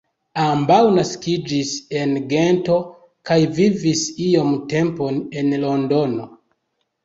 Ambaŭ naskiĝis en Gento kaj vivis iom tempon en Londono.